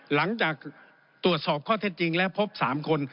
หลังจากตรวจสอบข้อเท็จจริงและพบ๓คน